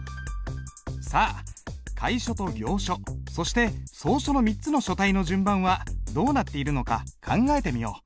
さあ楷書と行書そして草書の３つの書体の順番はどうなっているのか考えてみよう。